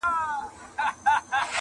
چي صوفي موږک ایله کړ په میدان کي!.